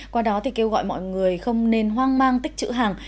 qua đó thì kêu gọi mọi người không nên hoang mang tích chữ hàng